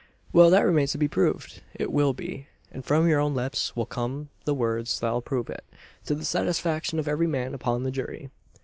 Well, that remains to be proved. It will be; and from your own lips will come the words that'll prove it to the satisfaction of every man upon the jury."